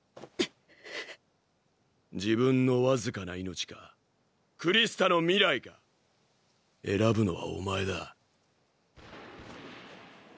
自分の僅かな命かクリスタの未来か選ぶのはお前だ。